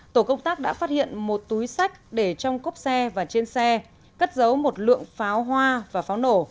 tổ công tác đã phát hiện một túi sách để trong cốp xe và trên xe cất giấu một lượng pháo hoa và pháo nổ